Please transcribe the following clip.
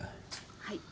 はい。